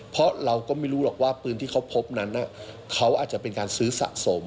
เพราะเราก็ไม่รู้หรอกว่าปืนที่เขาพบนั้นเขาอาจจะเป็นการซื้อสะสม